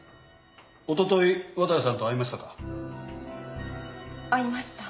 おととい綿谷さんと会いましたか？